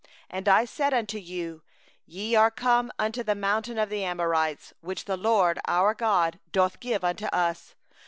20And I said unto you: 'Ye are come unto the hill country of the Amorites, which the LORD our God giveth unto us.